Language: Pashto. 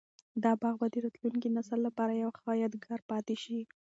دا باغ به د راتلونکي نسل لپاره یو ښه یادګار پاتي شي.